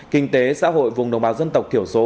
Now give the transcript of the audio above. kinh tế xã hội vùng đồng bào dân tộc thiểu số